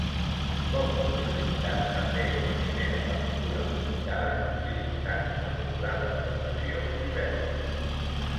Com a curiositat, també és la primera partitura publicada utilitzant el programa de notació Sibelius.